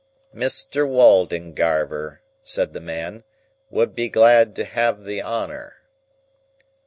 "Mr. Waldengarver," said the man, "would be glad to have the honour."